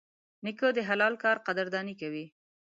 نیکه د حلال کار قدرداني کوي.